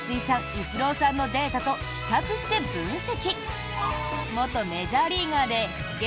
イチローさんのデータと比較して分析！